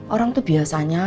orang tuh biasanya